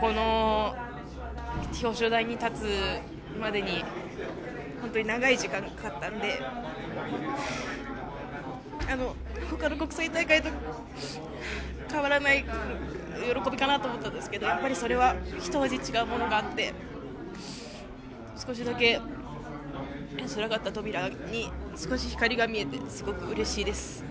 この表彰台に立つまでに本当に長い時間かかったので他の国際大会と変わらない喜びかなと思ったんですがやっぱりそれは一味違うものがあって少しだけつらかった扉に少し光が見えてすごくうれしいです。